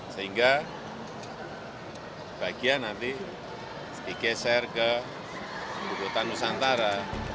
sehingga bagian nanti digeser ke ibu kota nusantara